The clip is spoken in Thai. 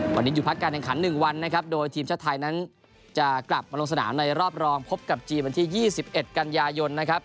วันนี้หยุดพักการแข่งขัน๑วันนะครับโดยทีมชาติไทยนั้นจะกลับมาลงสนามในรอบรองพบกับจีนวันที่๒๑กันยายนนะครับ